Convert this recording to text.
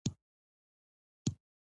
مرګ اوس ماته د یو ارام خوب په څېر ښکاري.